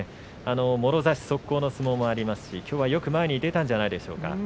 もろ差し速攻の相撲もありますしきょうはよく前に出たんじゃないですか。